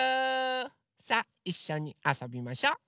さあいっしょにあそびましょ。